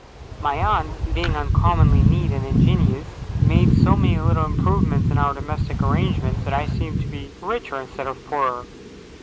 My aunt, being uncommonly neat and ingenious, made so many little improvements in our domestic arrangements, that I seemed to be richer instead of poorer.